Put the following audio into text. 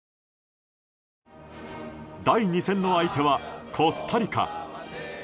第２戦の相手はコスタリカ。